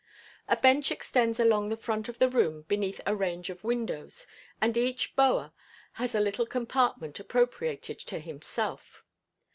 A bench extends along the front of the room beneath a range of windows, and each "bower" has a little compartment appropriated to himself.